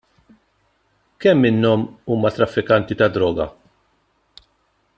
Kemm minnhom huma traffikanti ta' droga?